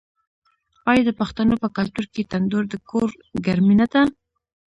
آیا د پښتنو په کلتور کې تندور د کور ګرمي نه ده؟